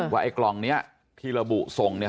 ว่าไอลองเนี้ยที่ระบุส่งเนี้ย